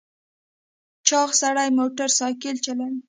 چاغ سړی موټر سایکل چلوي .